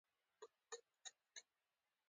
میږیان ډیر منظم ژوند لري